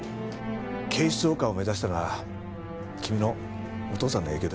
警視総監を目指したのは君のお父さんの影響でした。